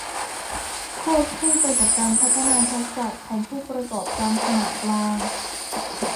ควบคู่ไปกับการพัฒนาทักษะของผู้ประกอบการขนาดกลาง